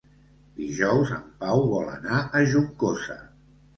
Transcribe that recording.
Dijous en Pau vol anar a Juncosa.